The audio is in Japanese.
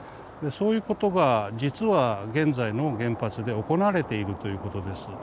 そういうことが実は現在の原発で行われているということです。